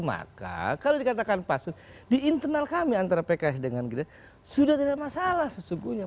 maka kalau dikatakan pasus di internal kami antara pks dengan gerindra sudah tidak masalah sesungguhnya